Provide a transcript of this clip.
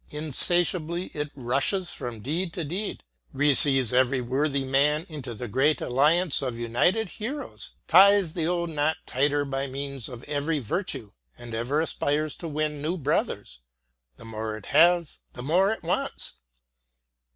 Insatiably it rushes from deed to deed, receives every worthy man into the great alliance of united heroes, ties the old knot tighter by means of every virtue, and ever aspires to win new brothers; the more it has, the more it wants.